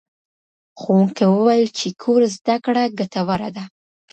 ښوونکی وویل چي کور زده کړه ګټوره ده.